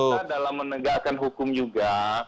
jadi kita dalam menegakkan hukum juga